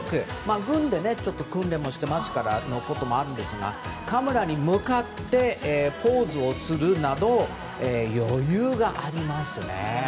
軍で訓練もしていたということもあるんでしょうがカメラに向かってポーズをするなど余裕がありますね。